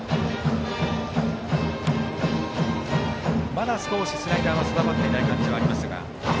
まだ少しスライダーが定まっていない感じがありますが。